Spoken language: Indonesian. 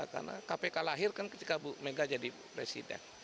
karena kpk lahir kan ketika bu mega jadi presiden